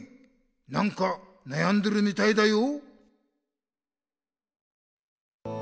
なんかなやんでるみたいだよ。